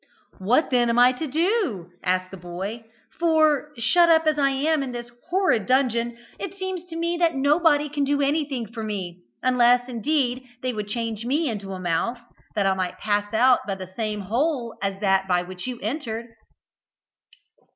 "What then am I to do?" asked the boy. "For, shut up, as I am, in this horrid dungeon, it seems to me that nobody can do anything for me, unless indeed they would change me into a mouse, that I might pass out by the same hole as that by which you entered."